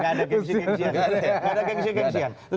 nggak ada gengsi gengsian